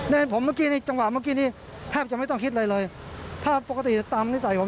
ผมเมื่อกี้ในจังหวะเมื่อกี้นี้แทบจะไม่ต้องคิดอะไรเลยถ้าปกติตามนิสัยผม